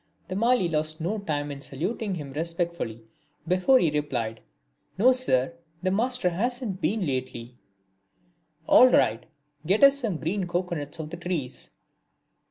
The mali lost no time in saluting him respectfully before he replied: "No, Sir, the master hasn't been lately." "All right, get us some green cocoanuts off the trees."